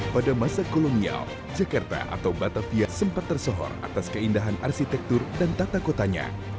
pada masa kolonial jakarta atau batavia sempat tersohor atas keindahan arsitektur dan tata kotanya